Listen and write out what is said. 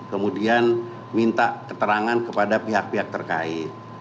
kemudian minta keterangan kepada pihak pihak terkait